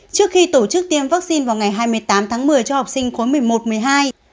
trước khi tổ chức tiêm vaccine vào ngày hai mươi tám tháng một mươi cho học sinh khối một mươi một một mươi hai